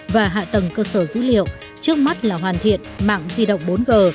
và hạ tầng cơ sở dữ liệu trước mắt là hoàn thiện mạng di động bốn g